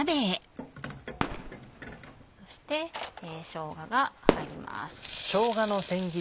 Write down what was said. そしてしょうがが入ります。